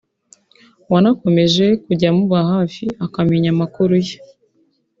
wanakomeje kujya amuba hafi akamenya amakuru ye